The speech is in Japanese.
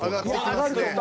上がると思う。